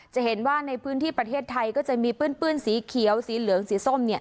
จะเห็นว่าในพื้นที่ประเทศไทยก็จะมีปื้นสีเขียวสีเหลืองสีส้ม